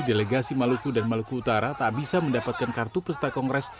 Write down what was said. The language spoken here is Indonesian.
delegasi maluku dan maluku utara tak bisa mendapatkan kartu peserta kongres